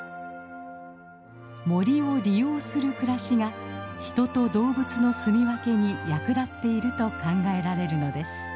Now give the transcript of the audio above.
森を利用する暮らしが人と動物の住み分けに役立っていると考えられるのです。